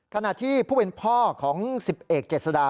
ขณะที่ผู้เป็นพ่อของ๑๐เอกเจษฎา